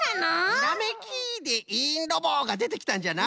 「ひらめき」でいいんロボがでてきたんじゃな。